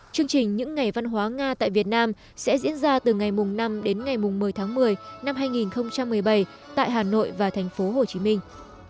chương trình những ngày văn hóa nga tại việt nam sẽ diễn ra từ ngày năm đến ngày một mươi tháng một mươi năm hai nghìn một mươi bảy tại hà nội và thành phố hồ chí minh